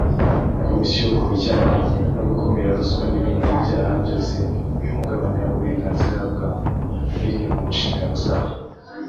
Komisiyo ku bijyanye no gukumira ruswa n ibindi byaha byose bihungabanya uburenganzira bwa muntu biri mu nshingano zabo